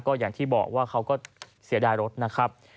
ก็อย่างที่บอกว่าเขาก็เสียดายรถนะครับ